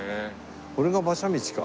これが馬車道か。